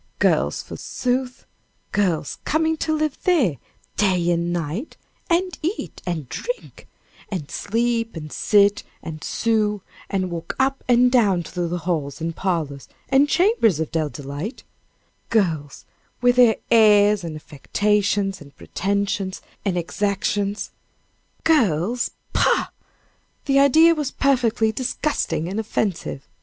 Girls, forsooth! girls coming to live there day and night, and eat, and drink, and sleep, and sit, and sew, and walk up and down through the halls, and parlors, and chambers of Dell Delight girls, with their airs, and affectations, and pretensions, and exactions girls pah! the idea was perfectly disgusting and offensive.